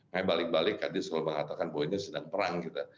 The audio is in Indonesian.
saya balik balik kadir selalu mengatakan bahwa ini sedang perang kita